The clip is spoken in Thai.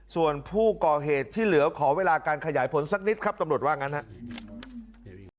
ส่วนผู้ก่อเหตุที่เหลือขอเวลาการขยายผลสักนิดครับตำรวจว่างั้นครับ